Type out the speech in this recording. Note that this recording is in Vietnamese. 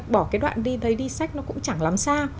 bỏ cái đoạn đi đây đi sách nó cũng chẳng làm sao